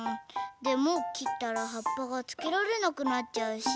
でもきったらはっぱがつけられなくなっちゃうし。